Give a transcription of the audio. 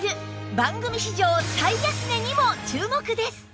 番組史上最安値にも注目です！